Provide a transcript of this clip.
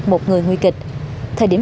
một người nguy kịch